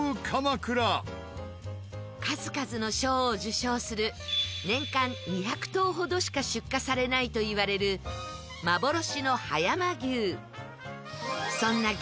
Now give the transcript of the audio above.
数々の賞を受賞する年間２００頭ほどしか出荷されないといわれるそんな激